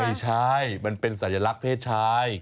ไม่ใช่มันเป็นสัญลักษณ์เพศชาย